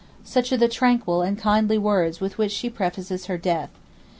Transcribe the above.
'Such are the tranquil and kindly words with which she prefaces her death.